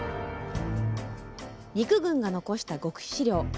陸軍が残した極秘資料。